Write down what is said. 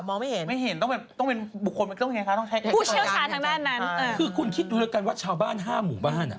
มันจะเป็นดูวิทยาลัยในหมู่บ้าน